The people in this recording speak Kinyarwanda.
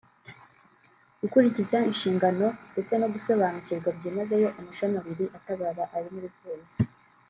gukurikiza inshingano ndetse no gusobanukirwa byimazeyo amashami abiri atabara ari muri Polisi